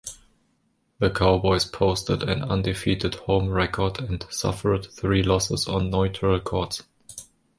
The Cowboys posted an undefeated home record and suffered three losses on neutral courts.